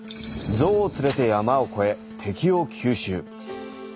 ゾウを連れて山を越え敵を急襲。